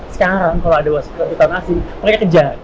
sekarang kalau ada waspa hutan asing mereka kejar